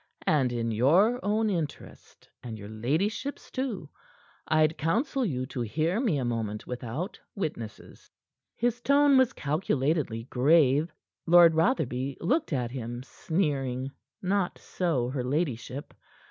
"And in your own interest, and your ladyship's, too, I'd counsel you to hear me a moment without witnesses." His tone was calculatedly grave. Lord Rotherby looked at him, sneering; not so her ladyship.